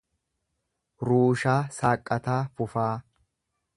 Ruushaa Saaqqataa Fufaa